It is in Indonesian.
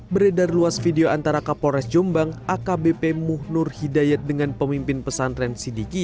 beredar luas video antara kapolres jombang akbp muhnur hidayat dengan pemimpin pesantren sidiki